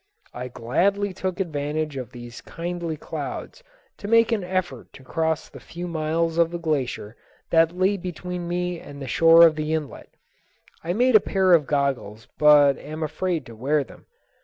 I gladly took advantage of these kindly clouds to make an effort to cross the few miles of the glacier that lay between me and the shore of the inlet. I made a pair of goggles but am afraid to wear them.